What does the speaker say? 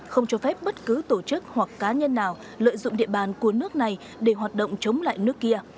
không cho phép bất cứ tổ chức hoặc cá nhân nào lợi dụng địa bàn của nước này để hoạt động chống lại nước kia